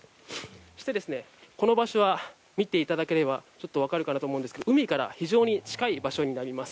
そして、この場所は見ていただければ分かるかと思うんですが海から非常に近い場所になります。